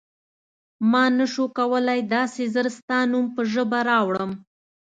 ما نه شو کولای داسې ژر ستا نوم په ژبه راوړم.